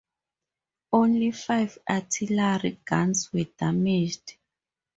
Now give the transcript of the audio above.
Only five artillery guns were damaged.